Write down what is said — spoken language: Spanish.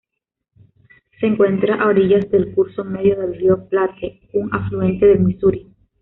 Se encuentra a orillas del curso medio del río Platte, un afluente del Misuri.